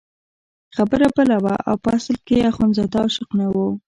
خبره بله وه او په اصل کې اخندزاده عاشق نه وو.